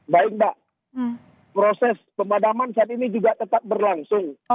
baik mbak proses pemadaman saat ini juga tetap berlangsung